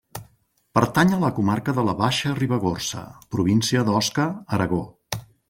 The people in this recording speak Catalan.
Pertany a la comarca de la Baixa Ribagorça, província d'Osca, Aragó.